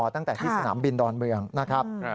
ตั้งแต่ที่สนามบินดอนเมืองนะครับ